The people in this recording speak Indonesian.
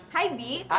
hai bi hai